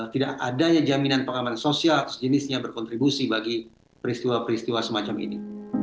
tidak adanya jaminan pengaman sosial sejenisnya berkontribusi bagi peristiwa peristiwa semacam ini